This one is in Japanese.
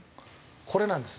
これなんです。